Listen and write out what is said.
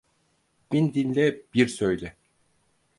Bin dinle, bir söyle.